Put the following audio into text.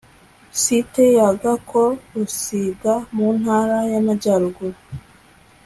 Site ya Gako Rusiga muntara yamajyaruguru